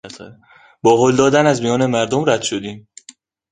با هل دادن از میان مردم رد شدیم.